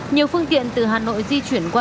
nhiều phương tiện từ hà nội di chuyển qua